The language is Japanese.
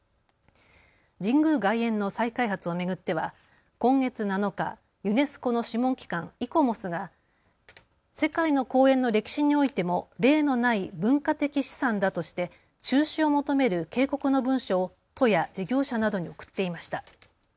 神宮外苑の再開発を巡っては今月７日、ユネスコの諮問機関、イコモスが世界の公園の歴史においても例のない文化的資産だとして中止を求める警告の文書を都や事業者などに送っていました。